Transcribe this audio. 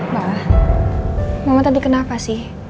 mbak mama tadi kenapa sih